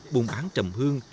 buôn bán trầm hương